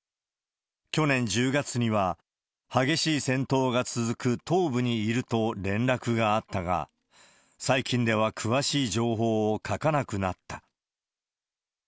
去年１０月には、激しい戦闘が続く東部にいると連絡があったが、最近では詳しい情報を書かなくなった。